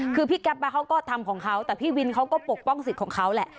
คือพี่แก๊ปเขาก็ทำของเขาแต่พี่วินเขาก็ปกป้องสิทธิ์ของเขาแหละ